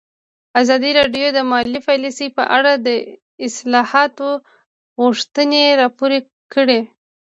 ازادي راډیو د مالي پالیسي په اړه د اصلاحاتو غوښتنې راپور کړې.